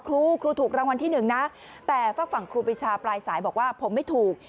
ครูครูถูกรางวัลที่หนึ่งนะแต่ฝากฝั่งครูปีชาปลายสายบอกว่าผมไม่ถูก